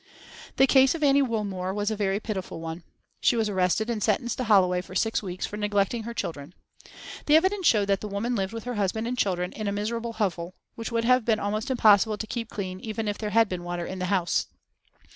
The case of Annie Woolmore was a very pitiful one. She was arrested and sentenced to Holloway for six weeks for neglecting her children. The evidence showed that the woman lived with her husband and children in a miserable hovel, which would have been almost impossible to keep clean even if there had been water in the house.